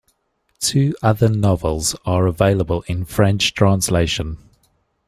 Two other novels are available in French translation.